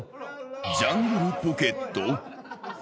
ジャングルポケット？